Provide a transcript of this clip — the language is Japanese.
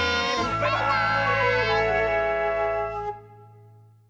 バイバーイ！